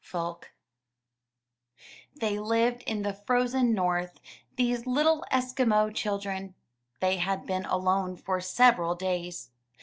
Foulke They lived in the frozen North, — these little Eskimo children. They had been alone for several days.